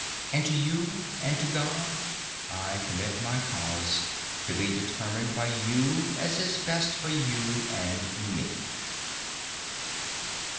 And to you and to God I commit my cause, to be determined by you as is best for you and me.